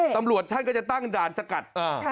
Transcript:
ตำรวจท่านก็จะตั้งด่านสกัด